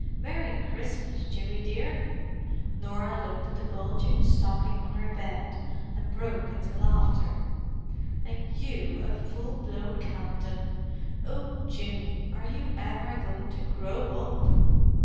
"Merry Christmas, Jimmy dear." Norah looked at the bulging stocking on her bed, and broke into laughter. "And you a full blown Captain! Oh, Jimmy, are you ever going to grow up?"